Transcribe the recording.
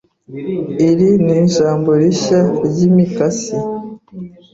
Iyi ni jambo rishya ryimikasi.